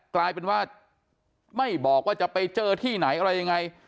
กลายเป็นว่าไม่บอกว่าจะไปเจอที่ไหนอะไรยังไง